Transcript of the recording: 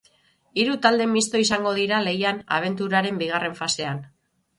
Hiru talde misto izango dira lehian abenturaren bigarren fasean.